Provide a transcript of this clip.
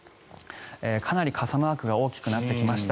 かなり傘マークが大きくなってきました。